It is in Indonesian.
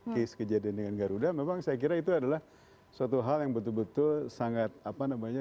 case kejadian dengan garuda memang saya kira itu adalah suatu hal yang betul betul sangat apa namanya